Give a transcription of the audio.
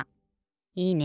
いいね！